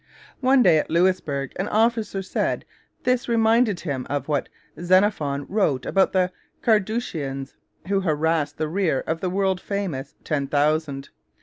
One day at Louisbourg an officer said this reminded him of what Xenophon wrote about the Carduchians who harassed the rear of the world famous 'Ten Thousand.'